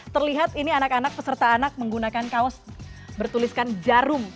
terlihat ini anak anak peserta anak menggunakan kaos bertuliskan jarum